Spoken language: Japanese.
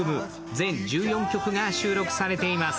全１４曲が収録されています。